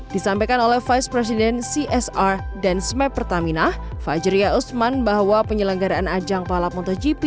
disampaikan oleh vice president csr dan smep pertamina fajriya usman bahwa penyelenggaraan ajang balap motogp